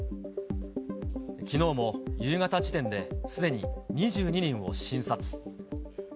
きのうも夕方時点ですでに２２人を診察。